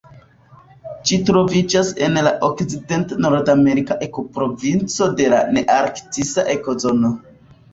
Ĝi troviĝas en la okcident-nordamerika ekoprovinco de la nearktisa ekozono.